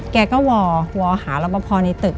แกก็วอร์วอร์หาลองประพรณ์ในตึก